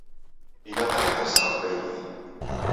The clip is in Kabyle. Ilaq ad neḥrez Taqbaylit.